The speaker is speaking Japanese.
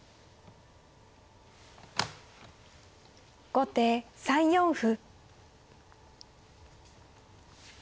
後手３四歩。